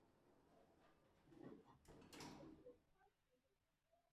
د نورو فرهنګونو تجربه د ارزښت نښه ده.